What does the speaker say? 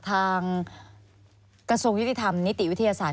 ทางกระทบยธรรมนิติวิทยาศาสตร์